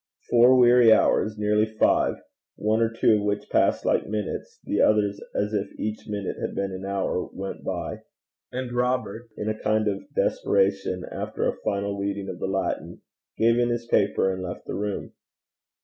Four weary hours, nearly five, one or two of which passed like minutes, the others as if each minute had been an hour, went by, and Robert, in a kind of desperation, after a final reading of the Latin, gave in his paper, and left the room.